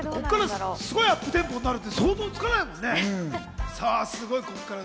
ここから相当アップテンポになるって想像つかないもんね。